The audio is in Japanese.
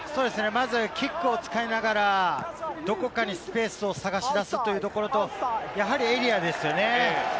まずキックを使いながらどこかにスペースを探し出すというところと、やはりエリアですよね。